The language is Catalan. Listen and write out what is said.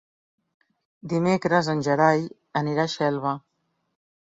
Dimecres en Gerai anirà a Xelva.